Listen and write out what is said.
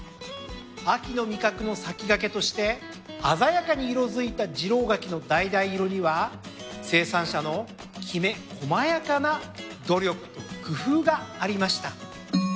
秋の味覚の先駆けとして鮮やかに色づいた次郎柿のだいだい色には生産者のきめ細やかな努力と工夫がありました。